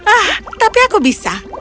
ah tapi aku bisa